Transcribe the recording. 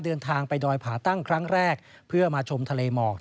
เดินทางไปดอยผาตั้งครั้งแรกเพื่อมาชมทะเลหมอก